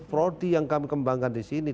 prodi yang kami kembangkan di sini